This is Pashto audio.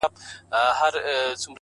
هغه نن بيا د چا د ياد گاونډى،